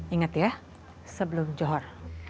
ingat ya sebelum johor